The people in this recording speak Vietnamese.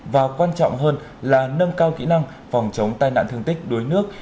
và quan trọng hơn là nâng cao kỹ năng phòng chống tai nạn thương tích đuối nước